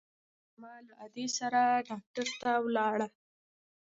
د هغه مور زما له ادې سره ډاکتر ته ولاړه.